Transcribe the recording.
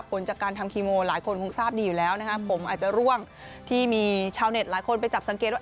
ผลจากการทำคีโมหลายคนคงทราบดีอยู่แล้วนะครับผมอาจจะร่วงที่มีชาวเน็ตหลายคนไปจับสังเกตว่า